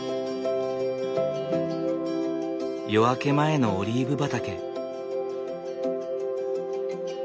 夜明け前のオリーブ畑。